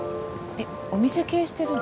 えっお店経営してるの？